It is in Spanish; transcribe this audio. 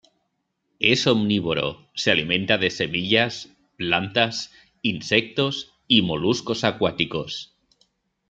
Es omnívoro; se alimenta de semillas, plantas, insectos y moluscos acuáticos.